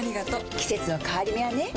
季節の変わり目はねうん。